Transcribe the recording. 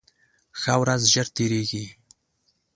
ښه ورځ ژر تېرېږي